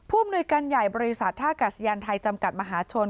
ผู้มนุยกันใหญ่บริษัทท่ากัศยันทร์ไทยจำกัดมหาชน